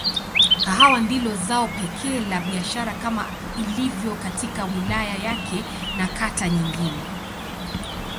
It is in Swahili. Kahawa ndilo zao pekee la biashara kama ilivyo katika wilaya yake na kata nyingine.